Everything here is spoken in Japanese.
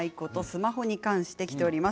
スマホに関してきています。